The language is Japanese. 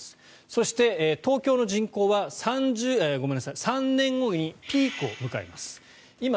そして、東京の人口は３年後にピークを迎えます。